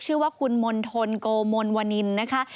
ชื่อว่าคุณมณฑลโกมลวนินนะคะ